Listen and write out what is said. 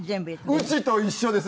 うちと一緒です！